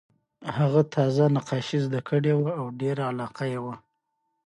هغه تازه نقاشي زده کړې وه او ډېره علاقه یې وه